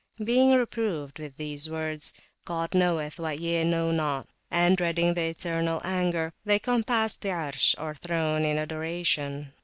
Being reproved with these words, God knoweth what ye know not, and dreading the eternal anger, they compassed the Arsh, or throne, in adoration.